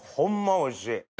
おいしい。